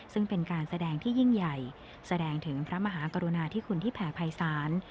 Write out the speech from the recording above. ซึ่งเป็นการแสดงที่ยิ่งใหญ่แสดงถึงพระมหากรุณาที่คุณที่แผ่ภัยศาล